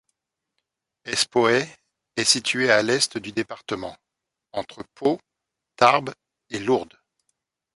Espoey est située à l'est du département, entre Pau, Tarbes et Lourdes.